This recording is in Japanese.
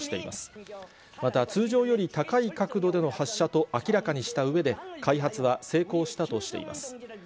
また、通常より高い角度での発射と明らかにしたうえで、開発は成功したとしています。